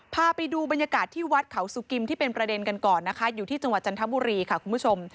พาไปดูบรรยากาศที่วัดเขาสุกิมที่เป็นประเด็นกันก่อนนะคะอยู่ที่จังหวัดจันทบุรีค่ะคุณผู้ชม